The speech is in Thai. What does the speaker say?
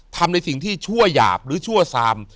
ทำในสิ่งที่ชั่วหยาบหรือชั่วซาม